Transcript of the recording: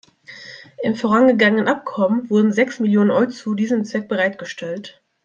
Im vorangegangenen Abkommen wurden sechs Millionen Euzu diesem Zweck bereitgestellt.